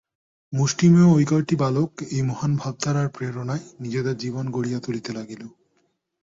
মুষ্টিমেয় ঐ কয়টি বালক এই মহান ভাবধারার প্রেরণায় নিজেদের জীবন গড়িয়া তুলিতে লাগিল।